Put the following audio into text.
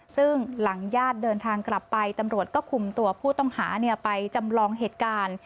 ซึ่งหลังญาติเดินทางกลับไปตำรวจก็คุมตัวผู้ต้องหาไปจำลองเหตุการณ์